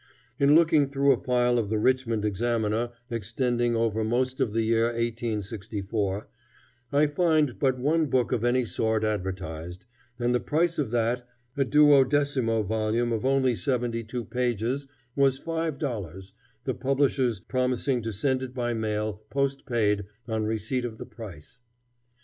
In looking through a file of the Richmond Examiner extending over most of the year 1864, I find but one book of any sort advertised, and the price of that, a duodecimo volume of only 72 pages, was five dollars, the publishers promising to send it by mail, post paid, on receipt of the price.